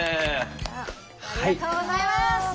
ありがとうございます！